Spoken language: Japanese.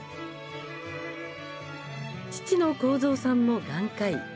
父の耕三さんも眼科医。